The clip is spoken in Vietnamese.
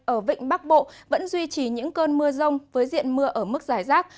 ở vịnh bắc bộ vẫn duy trì những cơn mưa rông với diện mưa ở mức giải rác